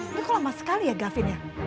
itu kok lama sekali ya gavin ya